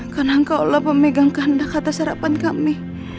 karena engkau lah pemegang kandang kata sarapan kami